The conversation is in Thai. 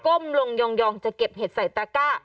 ตั้งลงยองจะเก็บเหตุใส่ตาก้า